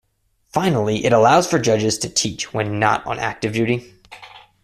Finally, it allows for judges to teach when not on active duty.